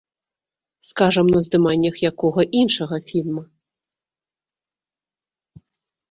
Скажам, на здыманнях якога іншага фільма.